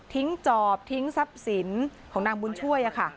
จอบทิ้งทรัพย์สินของนางบุญช่วย